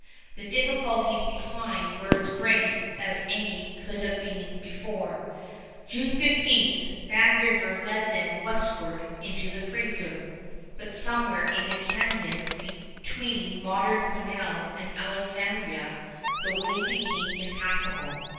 The difficulties behind were as great as any that could be before. June 15 Bad River led them westward into the Fraser, but somewhere in the canyon between modern Quesnel and Alexandria the way became impassable.